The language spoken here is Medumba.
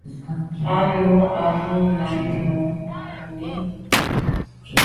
À nu am à num na màa nô num nà i.